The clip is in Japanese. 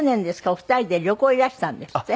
お二人で旅行いらしたんですって？